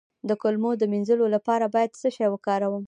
د کولمو د مینځلو لپاره باید څه شی وکاروم؟